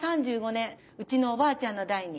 うちのおばあちゃんの代に。